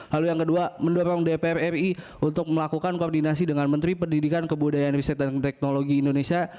lalu yang kedua mendorong dpr ri untuk melakukan koordinasi dengan menteri pendidikan kebudayaan riset dan teknologi indonesia